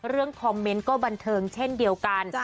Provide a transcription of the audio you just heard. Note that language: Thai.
คอมเมนต์ก็บันเทิงเช่นเดียวกัน